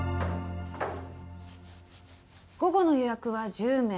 午後の予約は１０名。